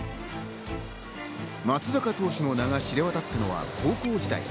松坂投手の名が知れ渡ったのは高校時代。